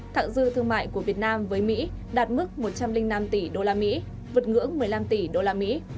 thặng dư thương mại của việt nam với mỹ đạt mức một trăm linh năm tỷ usd vượt ngưỡng một mươi năm tỷ usd